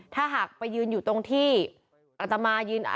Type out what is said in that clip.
ถ้าหากไปยืนอยู่ตรงที่อัตมายืน